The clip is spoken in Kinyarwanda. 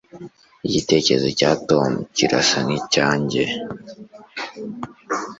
Igitekerezo cya Tom kirasa nkicyanjye